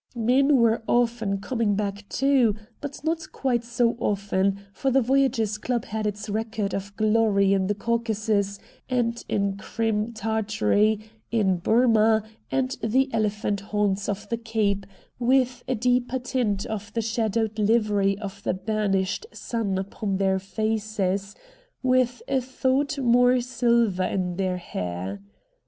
Men were often coming back too — but not quite so often, for the Voyagers' Club had its record of glory in the Caucasus and in Crim Tartary, in Burmah, and the elephant haunts of the Cape — with a deeper tint of the shadowed livery of the burnished sun upon their faces, with a thought more silver in their hair.